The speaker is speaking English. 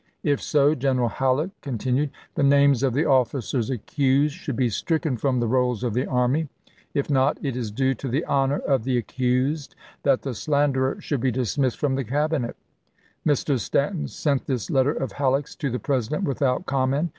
If so," General Halleck continued, " the names of the officers accused should be stricken from the rolls of the army ; if not, it is due to the honor of the ac ^tanton,0 cused that the slanderer should be dismissed from i8J64.lyMs. the Cabinet." Mr. Stanton sent this letter of Halleck's to the President without comment.